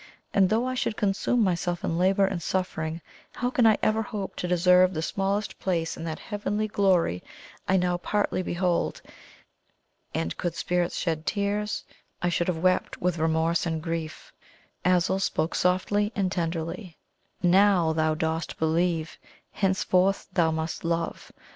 and though I should consume myself in labour and suffering, how can I ever hope to deserve the smallest place in that heavenly glory I now partly behold?" And could spirits shed tears, I should have wept with remorse and grief. Azul spoke, softly and tenderly: "Now thou dost believe henceforth thou must love!